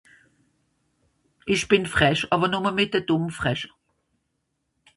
ìsch bìn frech àwer nùmme mìt de dùmm frech